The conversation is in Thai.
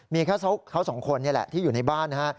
มีแค่เขาสองคนนี่แหละที่อยู่ในบ้านนะฮะ